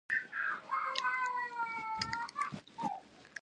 د ماشوم په ودې سره زړې جامې له منځه ځي.